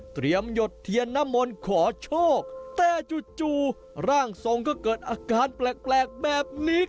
เตรียมหยดเทียนนมนต์ขอโชคแต่จุดจูบร่างทรงก็เกิดอาการแปลกแบบนี้